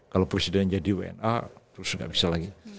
kalau presiden jadi wnr terus tidak bisa lagi